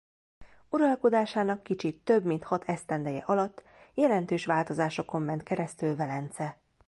Uralkodásának kicsit több mint hat esztendeje alatt jelentős változásokon ment keresztül Velence.